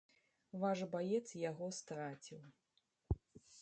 Ваш баец яго страціў.